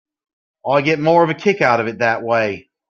I get more of a kick out of it that way.